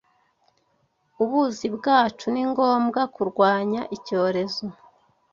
Ubuzi bwacu ningombwa kurwanya icyorezo